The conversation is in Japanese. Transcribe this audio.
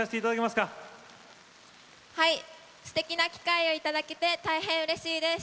すてきな機会をいただけて大変、うれしいです。